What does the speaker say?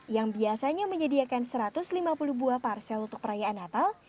yang biasanya menyediakan satu ratus lima puluh buah parsel untuk perayaan natal